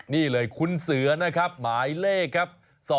นี่เลยคุณเสือนะครับหมายเลขครับ